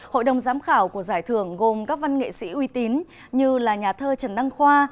hội đồng giám khảo của giải thưởng gồm các văn nghệ sĩ uy tín như là nhà thơ trần đăng khoa